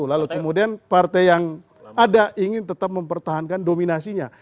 lalu kemudian partai yang ada ingin tetap mempertahankan dominasinya